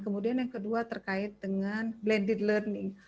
kemudian yang kedua terkait dengan blended learning